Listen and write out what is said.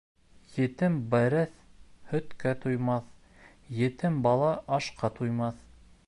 Етем бәрәс һөткә туймаҫ, етем бала ашҡа туймаҫ.